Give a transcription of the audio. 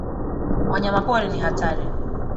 Wanyama pori ni hatari